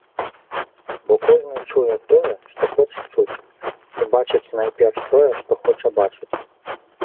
Бо кожны чуе тое, што хоча чуць, і бачыць найперш тое, што хоча бачыць.